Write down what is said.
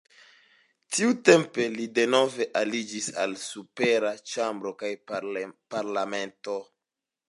Tiutempe li denove aliĝis al la supera ĉambro kaj parlamento.